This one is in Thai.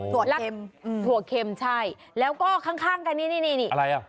เค็มถั่วเค็มใช่แล้วก็ข้างข้างกันนี่นี่นี่อะไรอ่ะ